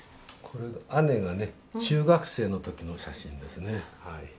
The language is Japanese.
これ姉がね中学生の時の写真ですね。